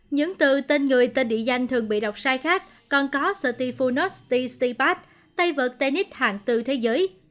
những từ tên người tên địa danh thường bị đọc sai khác còn có sertifunosti stipat tay vật tên ít hàng tư thế giới